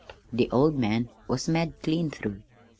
The old man was mad clean through.